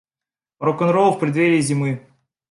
Рок-н-ролл в предверьи зимы.